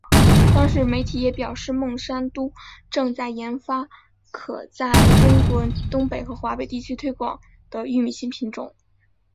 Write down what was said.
当时媒体也表示孟山都正在研发可在中国东北和华北地区推广的玉米新品种。